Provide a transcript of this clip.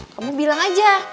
kamu bilang aja